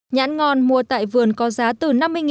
nhãn ngon mua tại vườn có giá từ năm mươi đến tám mươi đồng một kg